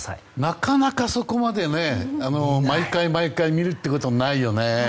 なかなか、そこまで毎回見ることはないよね。